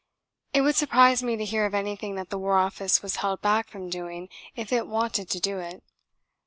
It would surprise me to hear of anything that the War Office was held back from doing if it wanted to do it.